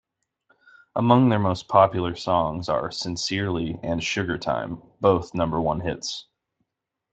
Among their most popular songs are "Sincerely" and "Sugartime", both number one hits.